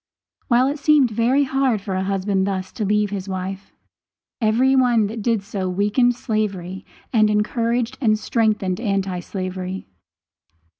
While it seemed very hard for a husband thus to leave his wife, every one that did so weakened slavery and encouraged and strengthened anti slavery.